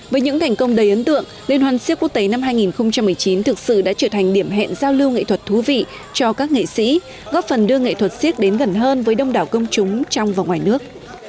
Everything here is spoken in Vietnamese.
với những thành công đầy ấn tượng liên hoàn siếc quốc tế năm hai nghìn một mươi chín thực sự đã trở thành điểm hẹn giao lưu nghệ thuật thú vị cho các nghệ sĩ góp phần đưa nghệ thuật siếc đến gần hơn với đông đảo công chúng trong và ngoài nước